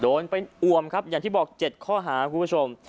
โดนเป็นอวมครับอย่างที่บอก๗ข้อหาคุณผู้ชม